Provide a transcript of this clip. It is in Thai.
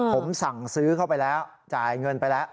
ผมสั่งซื้อเข้าไปแล้วจ่ายเงินไปแล้ว